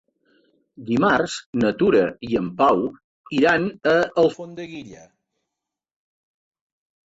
Dimarts na Tura i en Pau iran a Alfondeguilla.